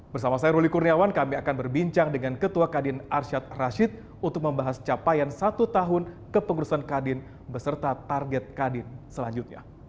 bersama saya ruli kurniawan kami akan berbincang dengan ketua kadin arsyad rashid untuk membahas capaian satu tahun kepengurusan kadin beserta target kadin selanjutnya